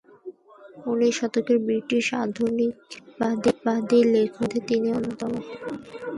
উনিশ শতকের ব্রিটিশ আধুনিকতাবাদী লেখকদের মধ্যে তিনি অন্যতম।